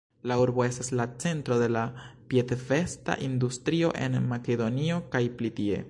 La urbo estas la centro de la piedvesta industrio en Makedonio kaj pli tie.